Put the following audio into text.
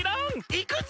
いくぞ！